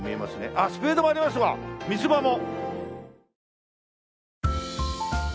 あっスペードもありますわ三つ葉も。